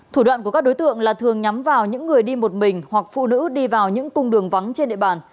thủ đoạn của các đối tượng là thường nhắm vào những người đi một mình hoặc phụ nữ đi vào những cung đường vắng trên địa bàn